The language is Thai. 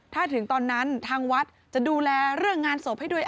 ถ้าถึงตอนนั้นทางวัดจะดูแลเรื่องงานศพให้ด้วย